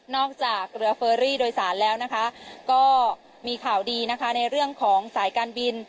จากเรือเฟอรี่โดยสารแล้วนะคะก็มีข่าวดีนะคะในเรื่องของสายการบิน